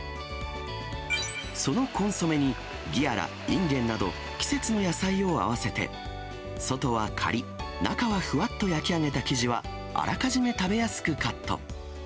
そのコンソメに、ギアラ、インゲンなど、季節の野菜を合わせて、外はかりっ、中はふわっと焼き上げた生地は、あらかじめ食べやすくカット。